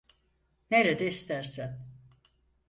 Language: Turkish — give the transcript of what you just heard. Nerede istersen.